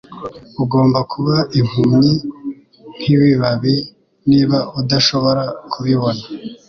Ugomba kuba impumyi nkibibabi niba udashobora kubibona.